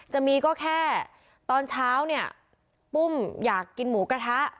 จะมีก็แค่ตอนเช้าเนี่ยปุ้มอยากกินหมูกระทะ